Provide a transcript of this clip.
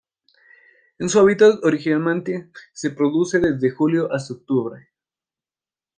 En su hábitat original se reproduce desde julio hasta octubre.